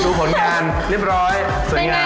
ผลงานเรียบร้อยสวยงาม